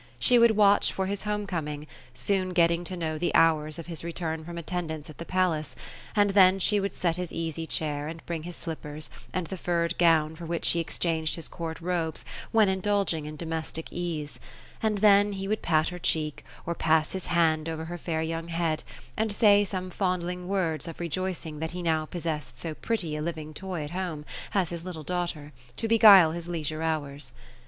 She would watch for his home coming ; soon getting to know the hours of his return from attendance at the palace ; and then she would set his easy chair, and bring his slippers, and the furred gown, for which he ezchansed his court robes, when indulging in domestic ease ; and then he would pat her cheek, or pass his hand over her fair young head, and say some fondling words of rejoicing that he now possessed so pretty a living toy at home as his little daughter, to beguile his leisure hours.